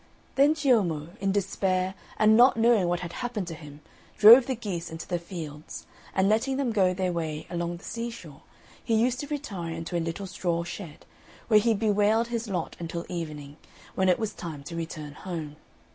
Then Ciommo, in despair and not knowing what had happened to him, drove the geese into the fields, and letting them go their way along the seashore, he used to retire into a little straw shed, where he bewailed his lot until evening, when it was time to return home.